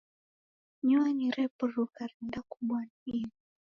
Nyonyi repuruka renda kumbwa na igho